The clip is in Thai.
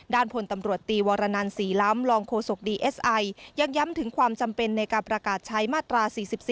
พลตำรวจตีวรนันศรีล้ำรองโฆษกดีเอสไอยังย้ำถึงความจำเป็นในการประกาศใช้มาตรา๔๔